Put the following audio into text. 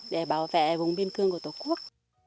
để bảo vệ vùng biên cương của tổ quốc